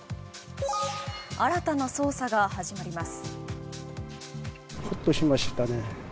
新たな捜査が始まります。